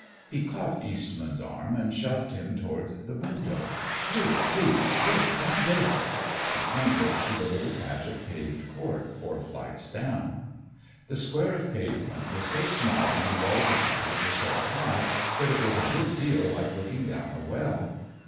He caught Eastman's arm and shoved him toward the window. "Hurry, please. Look! Down there." He pointed to the little patch of paved court four flights down. The square of pavement was so small and the walls about it were so high, that it was a good deal like looking down a well.